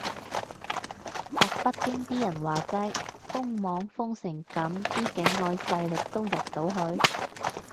學北京啲人話齋，封網封成噉啲境外勢力都入到去？